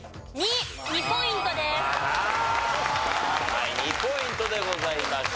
はい２ポイントでございました。